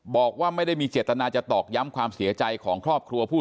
บอกว่าไม่ได้มีเจตนาจะตอกย้ำความเสียใจของครอบครัวผู้